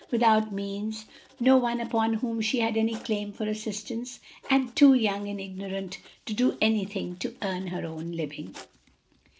Without means, no one upon whom she had any claim for assistance, and too young and ignorant to do anything to earn her own living.